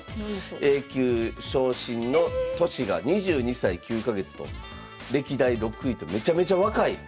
Ａ級昇進の年が２２歳９か月と歴代６位とめちゃめちゃ若い。